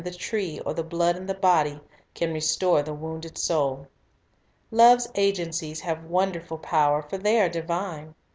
. the tree or the blood in the body, can restore the wounded soul. Love's agencies have wonderful power, for they are divine.